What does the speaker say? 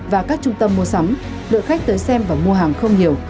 và các trung tâm mua sắm đợi khách tới xem và mua hàng không hiểu